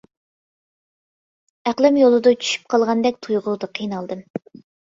ئەقلىم يولدا چۈشۈپ قالغاندەك تۇيغۇدا قىينالدىم.